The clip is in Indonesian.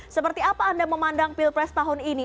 seperti apa anda memandang pilpres tahun ini